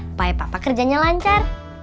supaya papa kerjanya lancar